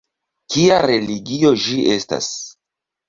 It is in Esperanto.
Kia religio ĝi estas?